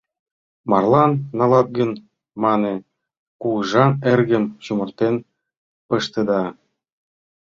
— Марлан налат гын, — мане, — кугыжан эргым чумыртен пыштеда».